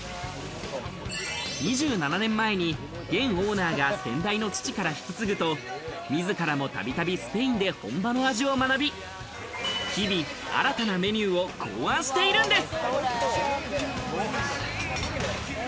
２７年前に、現オーナーが先代の父から引き継ぐと、自らも度々スペインで本場の味を学び、日々新たなメニューを考案しているんです。